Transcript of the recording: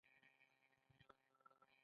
آیا دوی کیوي او مالټې نه تولیدوي؟